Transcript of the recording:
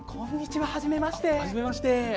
あっはじめまして。